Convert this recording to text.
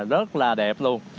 rất là đẹp luôn